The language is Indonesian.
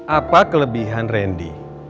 apa kelebihan randy